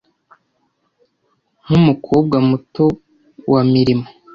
nkumukobwa muto wa mirimo